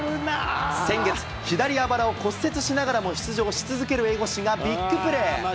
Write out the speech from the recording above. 先月、左あばらを骨折しながらも出場し続ける江越がビックプレー。